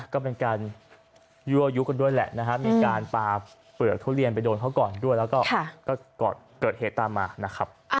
ก็เป็นการยั่วยุกันด้วยแหละนะครับมีการปลาเปลือกทุเรียนไปโดนเขาก่อนด้วยแล้วก็เกิดเหตุตามมานะครับ